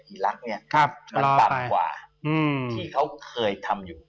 กับอีลักษณ์เนี้ยครับมันปรับกว่าอืมที่เค้าเคยทำอยู่